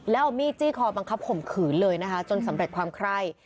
แล้วเอามีดจี้คอบังคับข่มขืนเลยนะคะจนสำเร็จความไคร่